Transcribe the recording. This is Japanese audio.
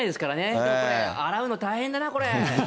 でもこれ、洗うの大変だな、これ。